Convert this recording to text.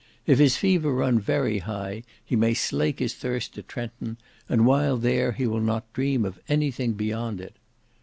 If his fever run very high, he may slake his thirst at Trenton, and while there, he will not dream of any thing beyond it.